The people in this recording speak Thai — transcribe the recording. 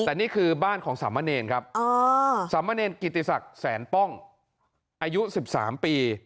แต่นี่คือบ้านของสามะเนรครับสามเณรกิติศักดิ์แสนป้องอายุ๑๓ปี